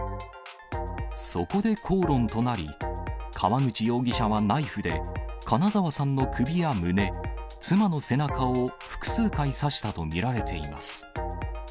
そこで口論となり、川口容疑者はナイフで、金沢さんの首や胸、妻の背中を複数回刺したと見られています。